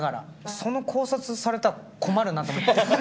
その考察されたら困るなと思って。